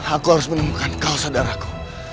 aku harus menemukan kau saudaraku